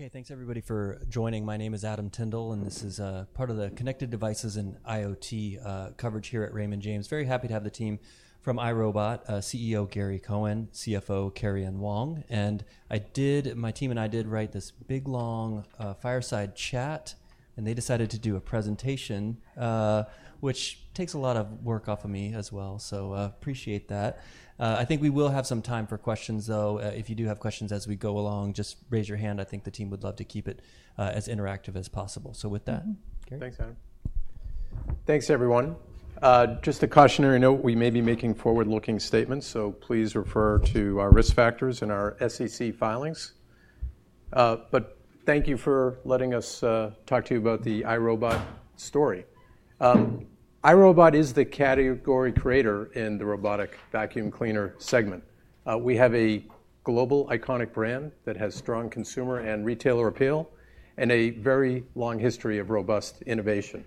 Okay, thanks everybody for joining. My name is Adam Tindle, and this is part of the connected devices and IoT coverage here at Raymond James. Very happy to have the team from iRobot, CEO Gary Cohen, CFO Karian Wong. And I did, my team and I did write this big long fireside chat, and they decided to do a presentation, which takes a lot of work off of me as well. So appreciate that. I think we will have some time for questions, though. If you do have questions as we go along, just raise your hand. I think the team would love to keep it as interactive as possible. So with that, great. Thanks, Adam. Thanks, everyone. Just a cautionary note, we may be making forward-looking statements, so please refer to our risk factors and our SEC filings. But thank you for letting us talk to you about the iRobot story. iRobot is the category creator in the robotic vacuum cleaner segment. We have a global iconic brand that has strong consumer and retailer appeal and a very long history of robust innovation.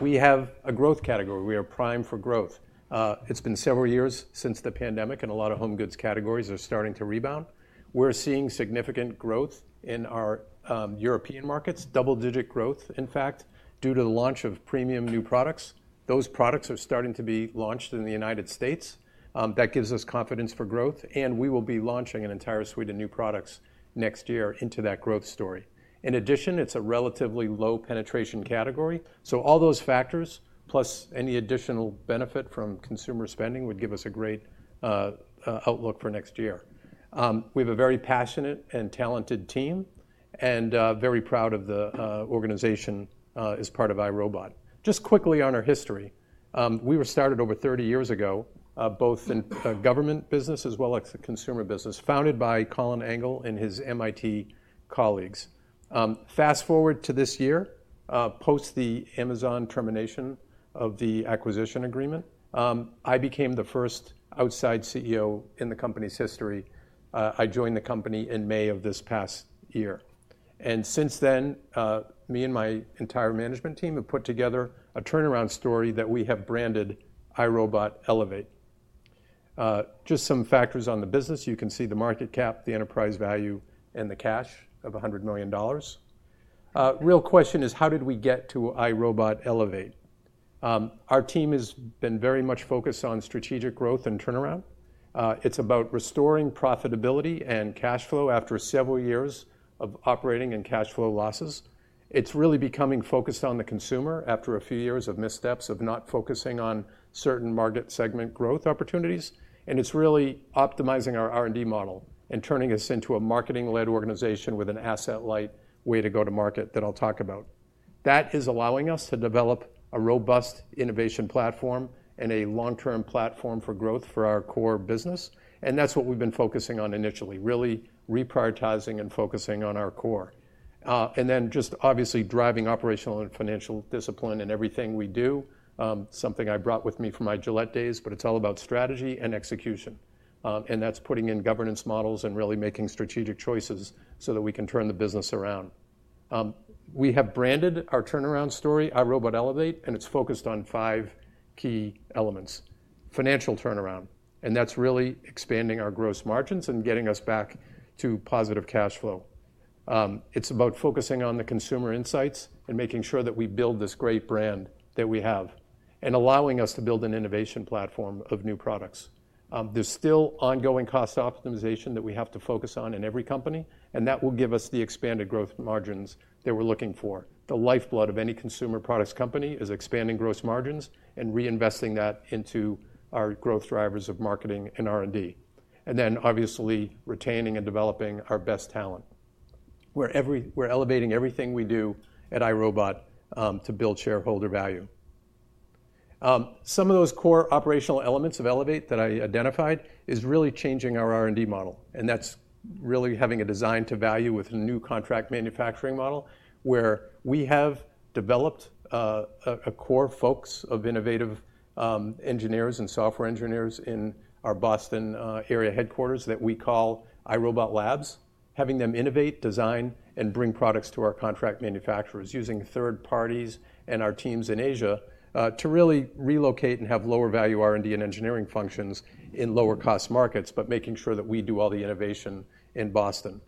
We have a growth category. We are primed for growth. It's been several years since the pandemic, and a lot of home goods categories are starting to rebound. We're seeing significant growth in our European markets, double-digit growth, in fact, due to the launch of premium new products. Those products are starting to be launched in the United States. That gives us confidence for growth, and we will be launching an entire suite of new products next year into that growth story. In addition, it's a relatively low penetration category. So all those factors, plus any additional benefit from consumer spending, would give us a great outlook for next year. We have a very passionate and talented team and very proud of the organization as part of iRobot. Just quickly on our history, we were started over 30 years ago, both in government business as well as the consumer business, founded by Colin Angle and his MIT colleagues. Fast forward to this year, post the Amazon termination of the acquisition agreement, I became the first outside CEO in the company's history. I joined the company in May of this past year, and since then, me and my entire management team have put together a turnaround story that we have branded iRobot Elevate. Just some factors on the business, you can see the market cap, the enterprise value, and the cash of $100 million. Real question is, how did we get to iRobot Elevate? Our team has been very much focused on strategic growth and turnaround. It's about restoring profitability and cash flow after several years of operating and cash flow losses. It's really becoming focused on the consumer after a few years of missteps, of not focusing on certain market segment growth opportunities. And it's really optimizing our R&D model and turning us into a marketing-led organization with an asset-light way to go to market that I'll talk about. That is allowing us to develop a robust innovation platform and a long-term platform for growth for our core business. And that's what we've been focusing on initially, really reprioritizing and focusing on our core. And then just obviously driving operational and financial discipline in everything we do, something I brought with me from my Gillette days, but it's all about strategy and execution. And that's putting in governance models and really making strategic choices so that we can turn the business around. We have branded our turnaround story, iRobot Elevate, and it's focused on five key elements: financial turnaround, and that's really expanding our gross margins and getting us back to positive cash flow. It's about focusing on the consumer insights and making sure that we build this great brand that we have and allowing us to build an innovation platform of new products. There's still ongoing cost optimization that we have to focus on in every company, and that will give us the expanded gross margins that we're looking for. The lifeblood of any consumer products company is expanding gross margins and reinvesting that into our growth drivers of marketing and R&D, and then obviously retaining and developing our best talent. We're elevating everything we do at iRobot to build shareholder value. Some of those core operational elements of Elevate that I identified is really changing our R&D model, and that's really having a design to value with a new contract manufacturing model where we have developed a core focus of innovative engineers and software engineers in our Boston area headquarters that we call iRobot Labs, having them innovate, design, and bring products to our contract manufacturers using third parties and our teams in Asia to really relocate and have lower value R&D and engineering functions in lower cost markets, but making sure that we do all the innovation in Boston.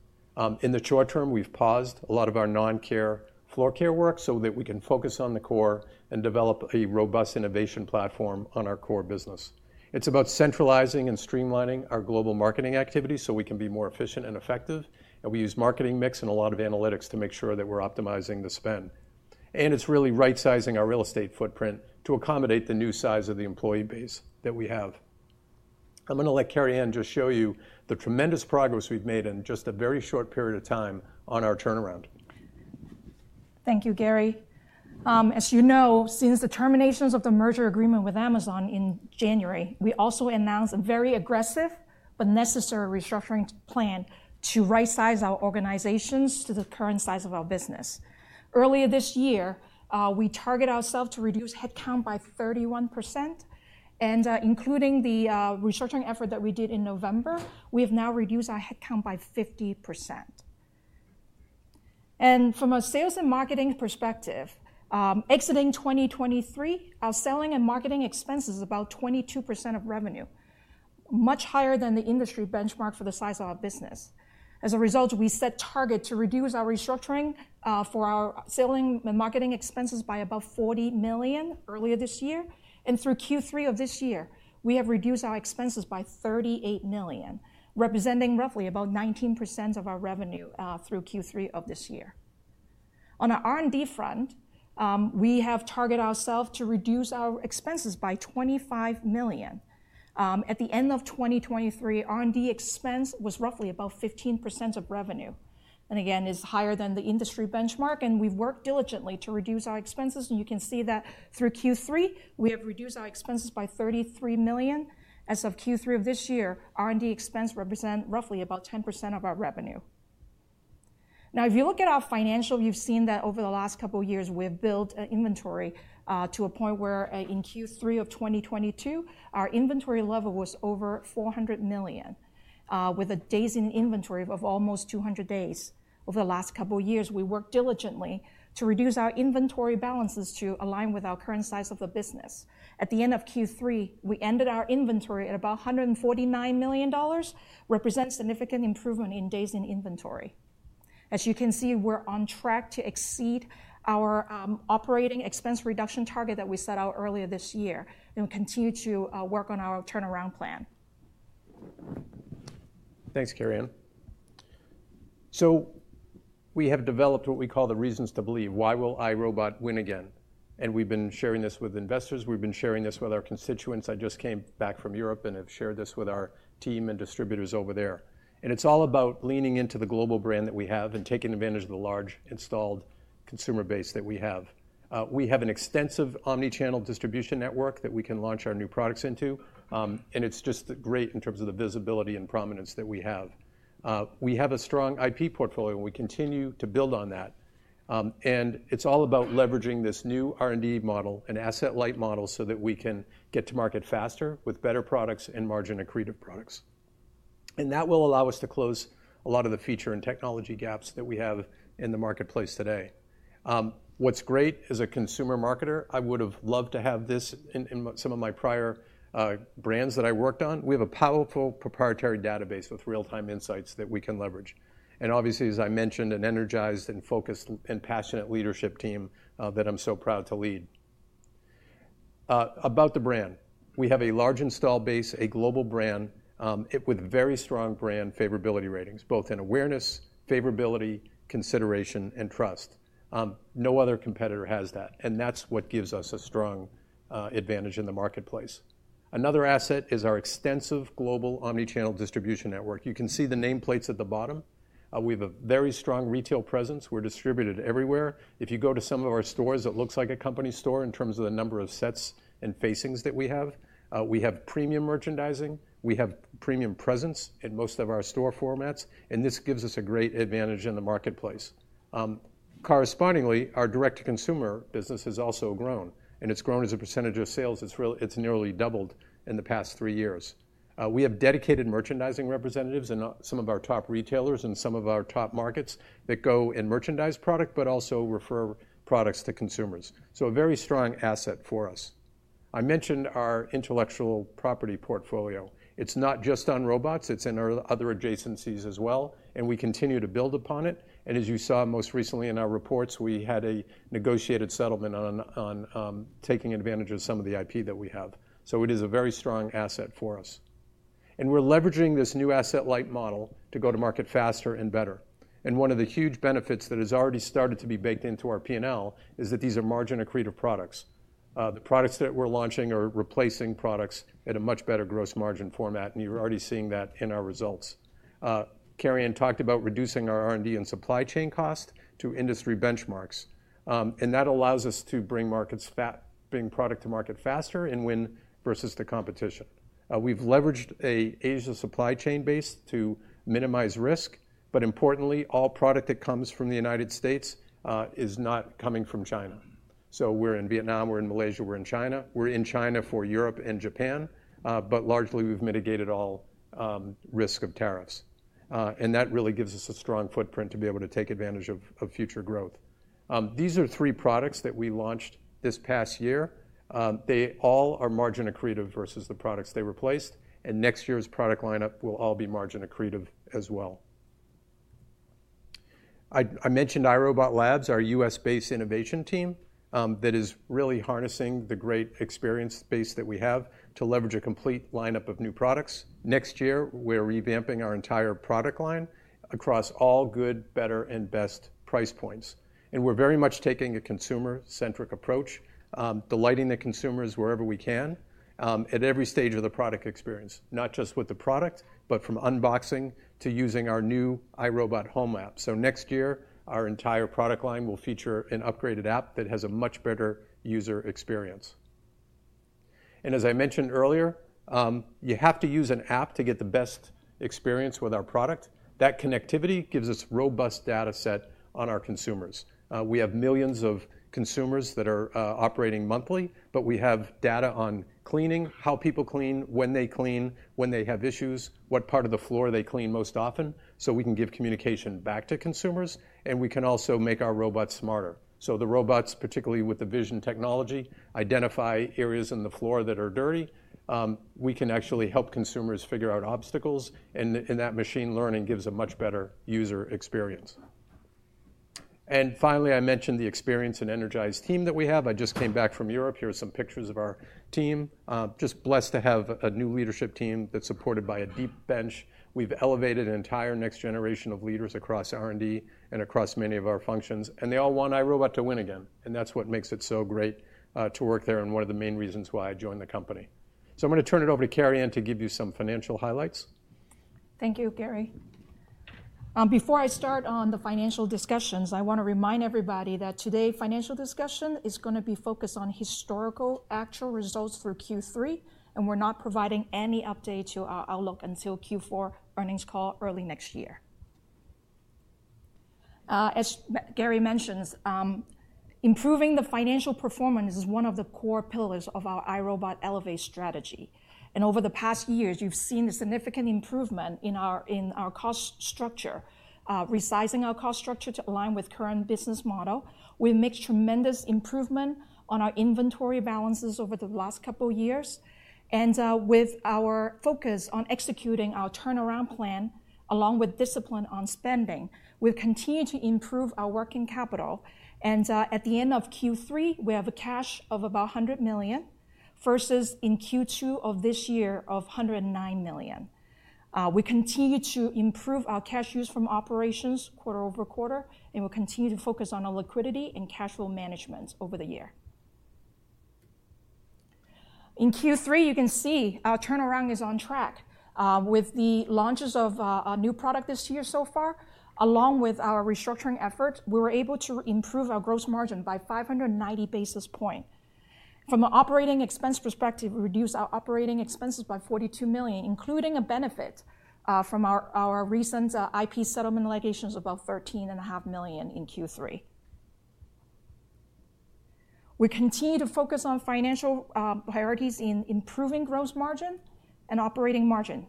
In the short term, we've paused a lot of our non-core floor care work so that we can focus on the core and develop a robust innovation platform on our core business. It's about centralizing and streamlining our global marketing activity so we can be more efficient and effective. And we use marketing mix and a lot of analytics to make sure that we're optimizing the spend. And it's really right-sizing our real estate footprint to accommodate the new size of the employee base that we have. I'm going to let Karian just show you the tremendous progress we've made in just a very short period of time on our turnaround. Thank you, Gary. As you know, since the terminations of the merger agreement with Amazon in January, we also announced a very aggressive but necessary restructuring plan to right-size our organizations to the current size of our business. Earlier this year, we targeted ourselves to reduce headcount by 31%, and including the restructuring effort that we did in November, we have now reduced our headcount by 50%. And from a sales and marketing perspective, exiting 2023, our selling and marketing expenses are about 22% of revenue, much higher than the industry benchmark for the size of our business. As a result, we set targets to reduce our restructuring for our selling and marketing expenses by about $40 million earlier this year, and through Q3 of this year, we have reduced our expenses by $38 million, representing roughly about 19% of our revenue through Q3 of this year. On our R&D front, we have targeted ourselves to reduce our expenses by $25 million. At the end of 2023, R&D expense was roughly about 15% of revenue, and again, it's higher than the industry benchmark, and we've worked diligently to reduce our expenses, and you can see that through Q3, we have reduced our expenses by $33 million. As of Q3 of this year, R&D expense represents roughly about 10% of our revenue. Now, if you look at our financials, you've seen that over the last couple of years, we have built inventory to a point where in Q3 of 2022, our inventory level was over $400 million, with a days in inventory of almost 200 days. Over the last couple of years, we worked diligently to reduce our inventory balances to align with our current size of the business. At the end of Q3, we ended our inventory at about $149 million, representing a significant improvement in days in inventory. As you can see, we're on track to exceed our operating expense reduction target that we set out earlier this year, and we'll continue to work on our turnaround plan. Thanks, Karian. So we have developed what we call the reasons to believe. Why will iRobot win again? And we've been sharing this with investors. We've been sharing this with our constituents. I just came back from Europe and have shared this with our team and distributors over there. And it's all about leaning into the global brand that we have and taking advantage of the large installed consumer base that we have. We have an extensive omnichannel distribution network that we can launch our new products into. And it's just great in terms of the visibility and prominence that we have. We have a strong IP portfolio, and we continue to build on that. And it's all about leveraging this new R&D model and asset-light model so that we can get to market faster with better products and margin-accretive products. And that will allow us to close a lot of the feature and technology gaps that we have in the marketplace today. What's great as a consumer marketer, I would have loved to have this in some of my prior brands that I worked on. We have a powerful proprietary database with real-time insights that we can leverage. And obviously, as I mentioned, an energized and focused and passionate leadership team that I'm so proud to lead. About the brand, we have a large installed base, a global brand with very strong brand favorability ratings, both in awareness, favorability, consideration, and trust. No other competitor has that. And that's what gives us a strong advantage in the marketplace. Another asset is our extensive global omnichannel distribution network. You can see the nameplates at the bottom. We have a very strong retail presence. We're distributed everywhere. If you go to some of our stores, it looks like a company store in terms of the number of sets and facings that we have. We have premium merchandising. We have premium presence in most of our store formats. And this gives us a great advantage in the marketplace. Correspondingly, our direct-to-consumer business has also grown. And it's grown as a percentage of sales. It's nearly doubled in the past three years. We have dedicated merchandising representatives in some of our top retailers and some of our top markets that go in merchandise product, but also refer products to consumers. So a very strong asset for us. I mentioned our intellectual property portfolio. It's not just on robots. It's in our other adjacencies as well. And we continue to build upon it. As you saw most recently in our reports, we had a negotiated settlement on taking advantage of some of the IP that we have. It is a very strong asset for us. We're leveraging this new asset-light model to go to market faster and better. One of the huge benefits that has already started to be baked into our P&L is that these are margin-accretive products. The products that we're launching are replacing products at a much better gross margin format. You're already seeing that in our results. Karian talked about reducing our R&D and supply chain cost to industry benchmarks. That allows us to bring product to market faster and win versus the competition. We've leveraged an Asia supply chain base to minimize risk. Importantly, all product that comes from the United States is not coming from China. We're in Vietnam. We're in Malaysia. We're in China. We're in China for Europe and Japan. But largely, we've mitigated all risk of tariffs. And that really gives us a strong footprint to be able to take advantage of future growth. These are three products that we launched this past year. They all are margin-accretive versus the products they replaced. And next year's product lineup will all be margin-accretive as well. I mentioned iRobot Labs, our U.S.-based innovation team that is really harnessing the great experience base that we have to leverage a complete lineup of new products. Next year, we're revamping our entire product line across all good, better, and best price points. And we're very much taking a consumer-centric approach, delighting the consumers wherever we can at every stage of the product experience, not just with the product, but from unboxing to using our new iRobot Home App. So next year, our entire product line will feature an upgraded app that has a much better user experience. And as I mentioned earlier, you have to use an app to get the best experience with our product. That connectivity gives us a robust data set on our consumers. We have millions of consumers that are operating monthly, but we have data on cleaning, how people clean, when they clean, when they have issues, what part of the floor they clean most often. So we can give communication back to consumers. And we can also make our robots smarter. So the robots, particularly with the vision technology, identify areas in the floor that are dirty. We can actually help consumers figure out obstacles. And that machine learning gives a much better user experience. And finally, I mentioned the experienced and energized team that we have. I just came back from Europe. Here are some pictures of our team. Just blessed to have a new leadership team that's supported by a deep bench. We've elevated an entire next generation of leaders across R&D and across many of our functions. And they all want iRobot to win again. And that's what makes it so great to work there and one of the main reasons why I joined the company. So I'm going to turn it over to Karian to give you some financial highlights. Thank you, Gary. Before I start on the financial discussions, I want to remind everybody that today's financial discussion is going to be focused on historical actual results through Q3. And we're not providing any update to our Outlook until Q4 earnings call early next year. As Gary mentioned, improving the financial performance is one of the core pillars of our iRobot Elevate strategy. And over the past years, you've seen a significant improvement in our cost structure, resizing our cost structure to align with current business model. We've made tremendous improvements on our inventory balances over the last couple of years. And with our focus on executing our turnaround plan along with discipline on spending, we've continued to improve our working capital. And at the end of Q3, we have a cash of about $100 million versus in Q2 of this year of $109 million. We continue to improve our cash use from operations quarter over quarter, and we'll continue to focus on our liquidity and cash flow management over the year. In Q3, you can see our turnaround is on track with the launches of our new product this year so far. Along with our restructuring efforts, we were able to improve our gross margin by 590 basis points. From an operating expense perspective, we reduced our operating expenses by $42 million, including a benefit from our recent IP settlement litigations of about $13.5 million in Q3. We continue to focus on financial priorities in improving gross margin and operating margin.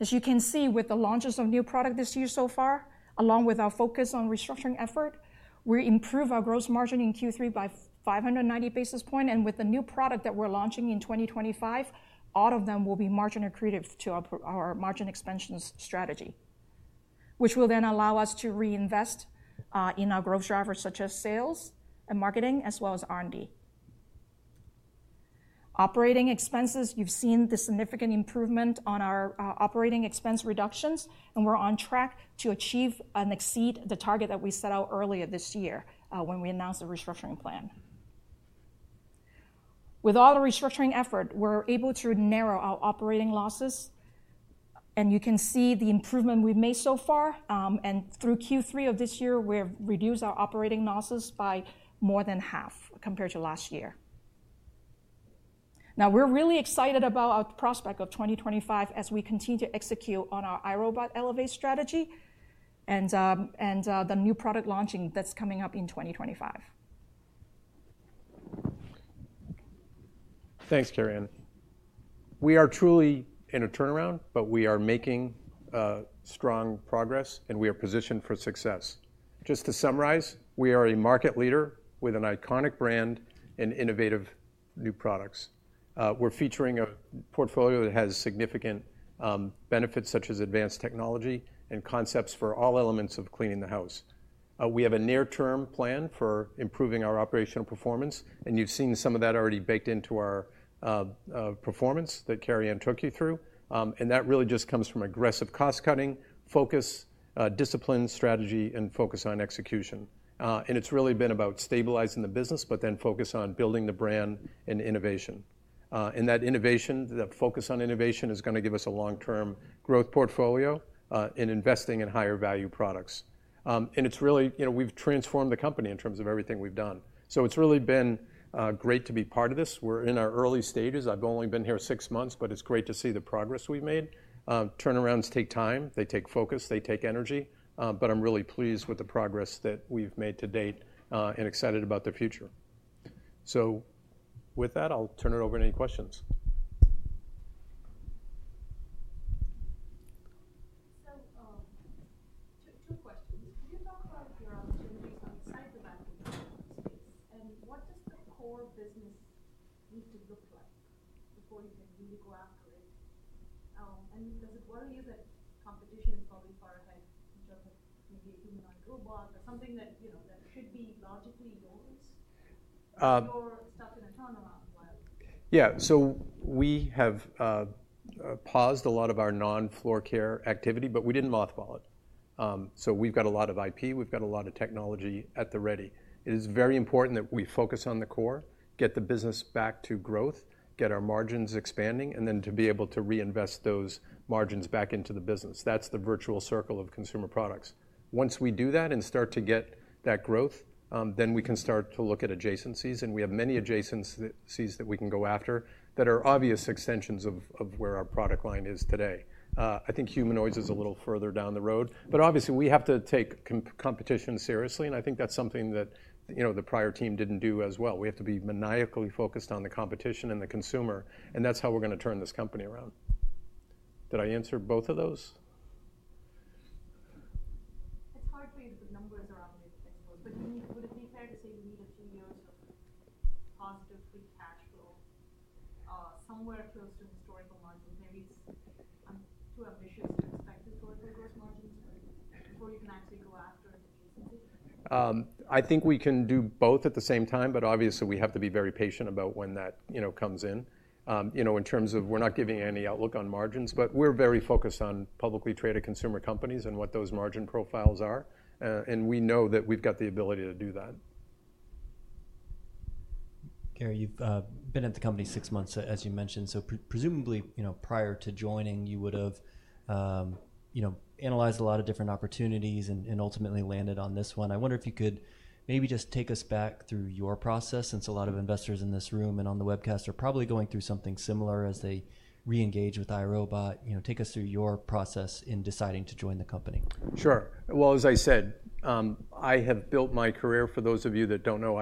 As you can see with the launches of new product this year so far, along with our focus on restructuring effort, we improved our gross margin in Q3 by 590 basis points. With the new product that we're launching in 2025, all of them will be margin-accretive to our margin expansion strategy, which will then allow us to reinvest in our growth drivers, such as sales and marketing, as well as R&D. Operating expenses, you've seen the significant improvement on our operating expense reductions. We're on track to achieve and exceed the target that we set out earlier this year when we announced the restructuring plan. With all the restructuring effort, we're able to narrow our operating losses. You can see the improvement we've made so far. Through Q3 of this year, we have reduced our operating losses by more than half compared to last year. Now, we're really excited about our prospects of 2025 as we continue to execute on our iRobot Elevate strategy and the new product launching that's coming up in 2025. Thanks, Karian. We are truly in a turnaround, but we are making strong progress. And we are positioned for success. Just to summarize, we are a market leader with an iconic brand and innovative new products. We're featuring a portfolio that has significant benefits, such as advanced technology and concepts for all elements of cleaning the house. We have a near-term plan for improving our operational performance. And you've seen some of that already baked into our performance that Karian took you through. And that really just comes from aggressive cost-cutting, focus, discipline strategy, and focus on execution. And it's really been about stabilizing the business, but then focus on building the brand and innovation. And that innovation, that focus on innovation, is going to give us a long-term growth portfolio and investing in higher value products. And it's really, you know, we've transformed the company in terms of everything we've done. So it's really been great to be part of this. We're in our early stages. I've only been here six months, but it's great to see the progress we've made. Turnarounds take time. They take focus. They take energy. But I'm really pleased with the progress that we've made to date and excited about the future. So with that, I'll turn it over to any questions. So, two questions. Can you talk about your opportunities outside the vacuum space? And what does the core business need to look like before you can really go after it? And does it worry you that competition is probably far ahead in terms of maybe a humanoid robot or something that should be largely yours? You're stuck in a turnaround while. Yeah. So we have paused a lot of our non-floor care activity, but we didn't mothball it. So we've got a lot of IP. We've got a lot of technology at the ready. It is very important that we focus on the core, get the business back to growth, get our margins expanding, and then to be able to reinvest those margins back into the business. That's the virtuous circle of consumer products. Once we do that and start to get that growth, then we can start to look at adjacencies. And we have many adjacencies that we can go after that are obvious extensions of where our product line is today. I think humanoids is a little further down the road. But obviously, we have to take competition seriously. And I think that's something that the prior team didn't do as well. We have to be maniacally focused on the competition and the consumer, and that's how we're going to turn this company around. Did I answer both of those? It's hard for you because the numbers are obviously exposed. But would it be fair to say you need a few years of positive free cash flow somewhere close to historical margins? Maybe too ambitious to expect historical gross margins before you can actually go after an adjacency? I think we can do both at the same time. But obviously, we have to be very patient about when that comes in. In terms of, we're not giving any outlook on margins, but we're very focused on publicly traded consumer companies and what those margin profiles are, and we know that we've got the ability to do that. Karian Wong, you've been at the company six months, as you mentioned. So presumably, prior to joining, you would have analyzed a lot of different opportunities and ultimately landed on this one. I wonder if you could maybe just take us back through your process, since a lot of investors in this room and on the webcast are probably going through something similar as they reengage with iRobot. Take us through your process in deciding to join the company. Sure. Well, as I said, I have built my career. For those of you that don't know,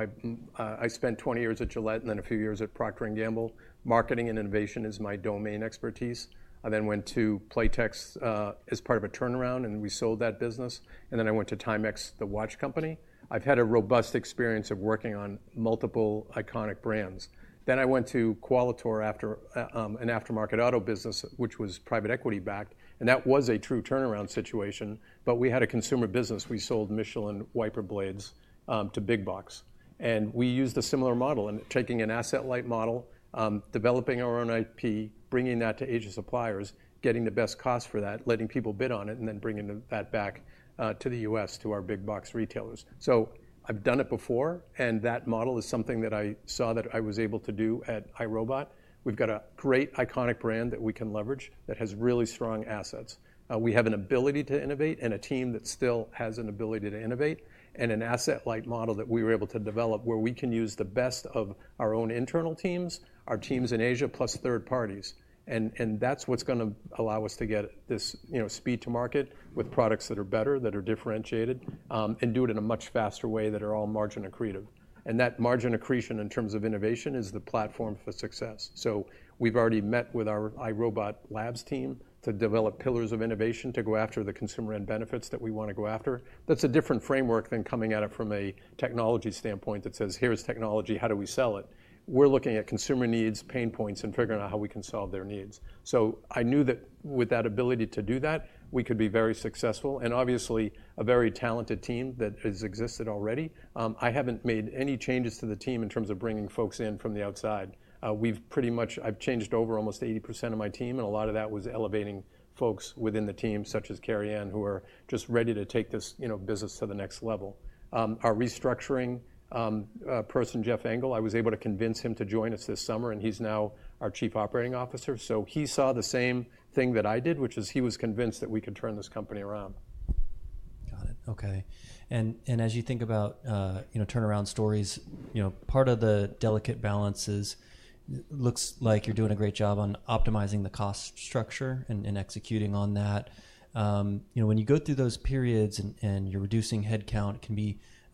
I spent 20 years at Gillette and then a few years at Procter & Gamble. Marketing and innovation is my domain expertise. I then went to Playtex as part of a turnaround, and we sold that business, and then I went to Timex, the watch company. I've had a robust experience of working on multiple iconic brands, then I went to Qualitor, an aftermarket auto business, which was private equity backed, and that was a true turnaround situation, but we had a consumer business. We sold Michelin wiper blades to big box, and we used a similar model and taking an asset-light model, developing our own IP, bringing that to Asian suppliers, getting the best cost for that, letting people bid on it, and then bringing that back to the U.S. to our big-box retailers. So I've done it before. And that model is something that I saw that I was able to do at iRobot. We've got a great iconic brand that we can leverage that has really strong assets. We have an ability to innovate and a team that still has an ability to innovate and an asset-light model that we were able to develop where we can use the best of our own internal teams, our teams in Asia, plus third parties. And that's what's going to allow us to get this speed to market with products that are better, that are differentiated, and do it in a much faster way that are all margin-accretive. And that margin accretion in terms of innovation is the platform for success. So we've already met with our iRobot Labs team to develop pillars of innovation to go after the consumer-end benefits that we want to go after. That's a different framework than coming at it from a technology standpoint that says, here's technology. How do we sell it? We're looking at consumer needs, pain points, and figuring out how we can solve their needs. So I knew that with that ability to do that, we could be very successful. And obviously, a very talented team that has existed already. I haven't made any changes to the team in terms of bringing folks in from the outside. I've changed over almost 80% of my team. And a lot of that was elevating folks within the team, such as Karian, who are just ready to take this business to the next level. Our restructuring person, Jeff Engel, I was able to convince him to join us this summer. He's now our Chief Operating Officer. He saw the same thing that I did, which is he was convinced that we could turn this company around. Got it. OK. And as you think about turnaround stories, part of the delicate balance looks like you're doing a great job on optimizing the cost structure and executing on that. When you go through those periods and you're reducing headcount, it can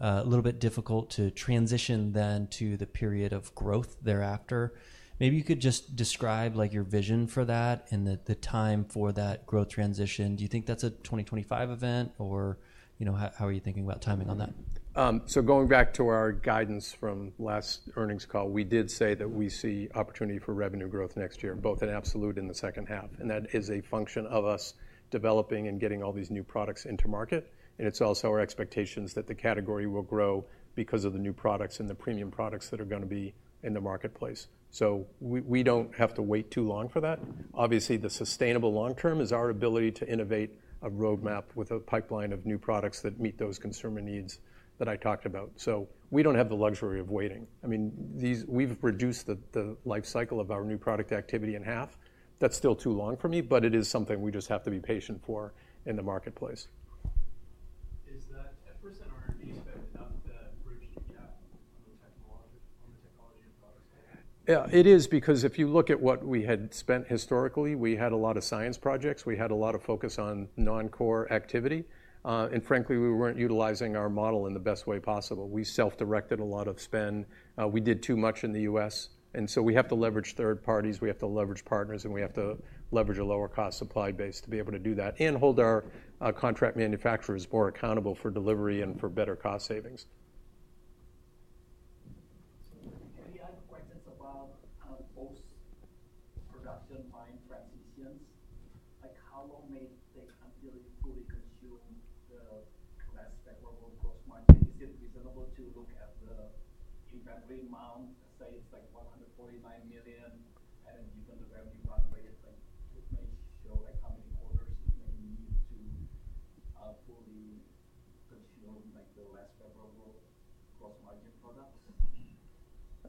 be a little bit difficult to transition then to the period of growth thereafter. Maybe you could just describe your vision for that and the time for that growth transition. Do you think that's a 2025 event? Or how are you thinking about timing on that? So going back to our guidance from last earnings call, we did say that we see opportunity for revenue growth next year, both in absolute and the second half. And that is a function of us developing and getting all these new products into market. And it's also our expectations that the category will grow because of the new products and the premium products that are going to be in the marketplace. So we don't have to wait too long for that. Obviously, the sustainable long-term is our ability to innovate a roadmap with a pipeline of new products that meet those consumer needs that I talked about. So we don't have the luxury of waiting. I mean, we've reduced the life cycle of our new product activity in half. That's still too long for me. But it is something we just have to be patient for in the marketplace. Is that efforts and R&D spent enough to bridge the gap on the technology and product side? Yeah, it is. Because if you look at what we had spent historically, we had a lot of science projects. We had a lot of focus on non-core activity, and frankly, we weren't utilizing our model in the best way possible. We self-directed a lot of spend. We did too much in the U.S., and so we have to leverage third parties. We have to leverage partners, and we have to leverage a lower cost supply base to be able to do that and hold our contract manufacturers more accountable for delivery and for better cost savings.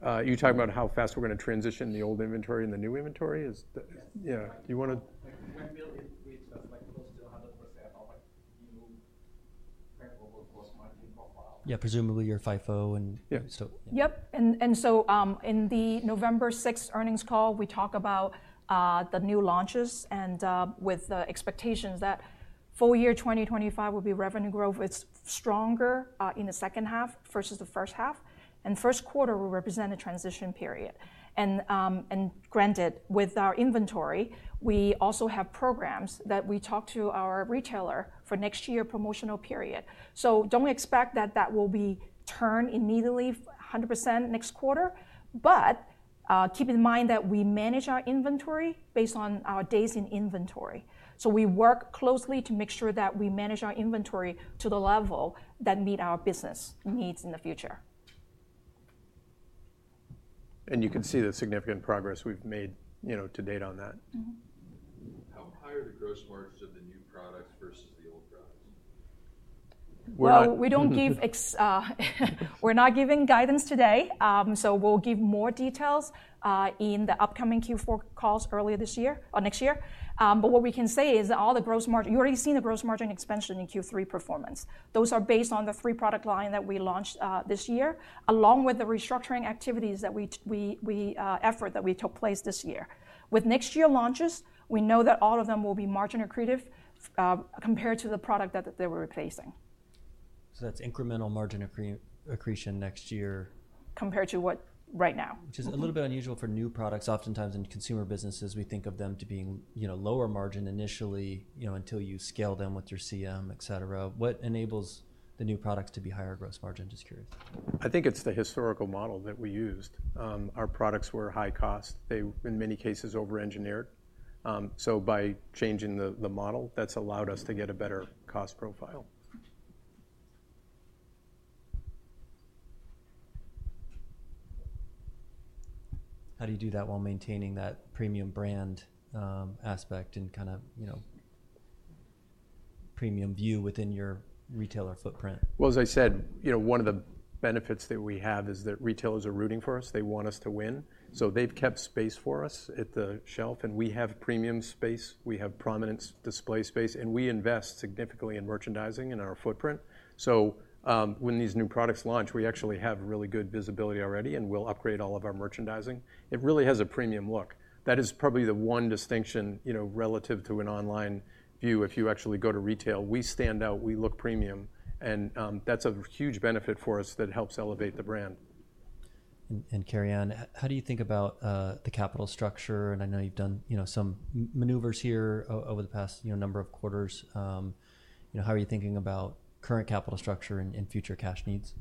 I have a question about post-production line transitions. How long may they fully consume the last favorable gross margin? Is it reasonable to look at the inventory amount, say it's like $149 million, and then given the revenue rate, could it may show how many orders it may need to fully consume the last favorable gross margin products? You're talking about how fast we're going to transition the old inventory and the new inventory? Yes. Yeah. Do you want to? When will it reach close to 100% of new favorable gross margin profile? Yeah, presumably your FIFO and so. Yep. And so, in the November 6 earnings call, we talk about the new launches and with the expectations that full year 2025 will be revenue growth is stronger in the second half versus the first half. And first quarter will represent a transition period. And granted, with our inventory, we also have programs that we talk to our retailer for next year's promotional period. So don't expect that will be turned immediately 100% next quarter. But keep in mind that we manage our inventory based on our days in inventory. So we work closely to make sure that we manage our inventory to the level that meets our business needs in the future. You can see the significant progress we've made to date on that. How high are the gross margins of the new products versus the old products? Well. We're not giving guidance today, so we'll give more details in the upcoming Q4 call earlier this year or next year, but what we can say is the gross margin expansion you've already seen in Q3 performance. Those are based on the three product lines that we launched this year, along with the restructuring activities that we took this year. With next year's launches, we know that all of them will be margin-accretive compared to the product that they were replacing. That's incremental margin accretion next year. Compared to what right now? Which is a little bit unusual for new products. Oftentimes in consumer businesses, we think of them to be lower margin initially until you scale them with your CM, et cetera. What enables the new products to be higher gross margin? Just curious. I think it's the historical model that we used. Our products were high cost. They, in many cases, over-engineered. So by changing the model, that's allowed us to get a better cost profile. How do you do that while maintaining that premium brand aspect and kind of premium view within your retailer footprint? Well, as I said, one of the benefits that we have is that retailers are rooting for us. They want us to win. So they've kept space for us at the shelf. And we have premium space. We have prominence display space. And we invest significantly in merchandising and our footprint. So when these new products launch, we actually have really good visibility already. And we'll upgrade all of our merchandising. It really has a premium look. That is probably the one distinction relative to an online view if you actually go to retail. We stand out. We look premium. And that's a huge benefit for us that helps elevate the brand. Karian, how do you think about the capital structure? I know you've done some maneuvers here over the past number of quarters. How are you thinking about current capital structure and future cash needs?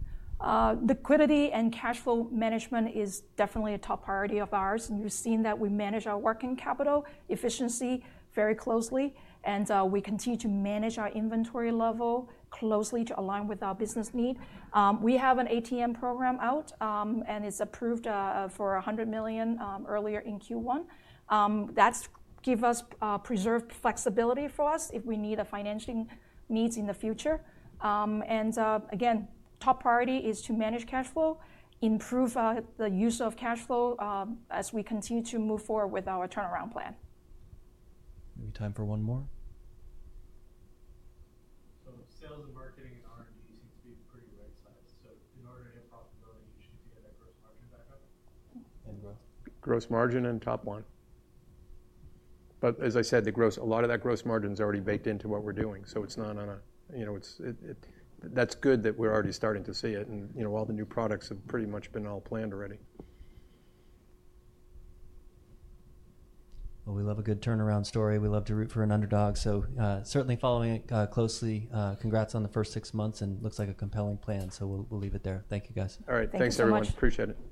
Liquidity and cash flow management is definitely a top priority of ours. And you've seen that we manage our working capital efficiency very closely. And we continue to manage our inventory level closely to align with our business need. We have an ATM program out. And it's approved for $100 million earlier in Q1. That gives us preserved flexibility for us if we need financial needs in the future. And again, top priority is to manage cash flow, improve the use of cash flow as we continue to move forward with our turnaround plan. Maybe time for one more? So sales and marketing and R&D seem to be pretty right-sized. So in order to have profitability, you should be able to get that gross margin back up? Gross? Gross margin and top line. But as I said, a lot of that gross margin is already baked into what we're doing. So it's not. That's good that we're already starting to see it. All the new products have pretty much been all planned already. We love a good turnaround story. We love to root for an underdog. Certainly following it closely. Congrats on the first six months. It looks like a compelling plan. We'll leave it there. Thank you, guys. All right. Thanks very much. Appreciate it.